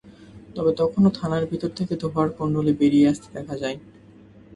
তবে তখনো থানার ভেতর থেকে ধোঁয়ার কুণ্ডলী বেরিয়ে আসতে দেখা যায়।